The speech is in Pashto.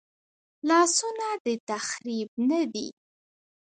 لاسونه د تخریب نه دي